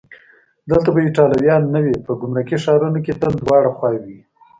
دلته به ایټالویان نه وي؟ په ګمرکي ښارونو کې تل دواړه خواوې وي.